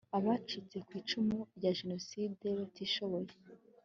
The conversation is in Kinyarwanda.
abacitse ku icumu rya jenoside batishoboye